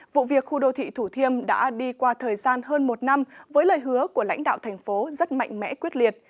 vụ việc khu đô thị thủ thiêm đã đi qua thời gian hơn một năm với lời hứa của lãnh đạo thành phố rất mạnh mẽ quyết liệt